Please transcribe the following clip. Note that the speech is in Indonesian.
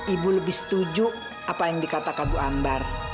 ibu lebih setuju apa yang dikatakan bu ambar